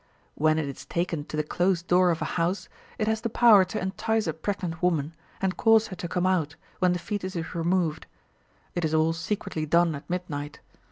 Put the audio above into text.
When it is taken to the closed door of a house, it has the power to entice a pregnant woman, and cause her to come out, when the foetus is removed. It is all secretly done at midnight.